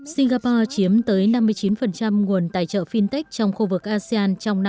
singapore chiếm tới năm mươi chín nguồn tài trợ fintech trong khu vực asean trong năm hai nghìn hai mươi